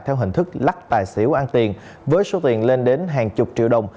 theo hình thức lắc tài xỉu ăn tiền với số tiền lên đến hàng chục triệu đồng